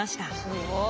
すごい。